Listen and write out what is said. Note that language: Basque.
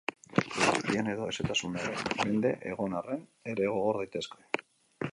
Ur azpian edo hezetasunaren mende egon arren ere gogor daitezke.